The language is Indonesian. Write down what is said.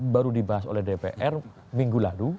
baru dibahas oleh dpr minggu lalu